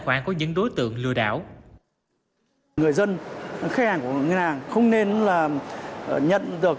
khoản của những đối tượng lừa đảo người dân khách hàng của ngân hàng không nên là nhận được